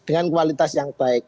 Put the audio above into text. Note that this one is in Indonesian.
dengan kualitas yang baik